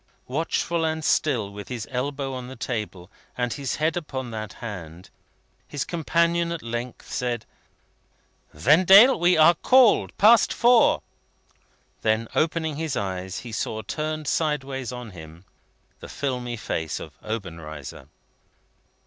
Watchful and still, with his elbow on the table, and his head upon that hand, his companion at length said: "Vendale! We are called. Past Four!" Then, opening his eyes, he saw, turned sideways on him, the filmy face of Obenreizer.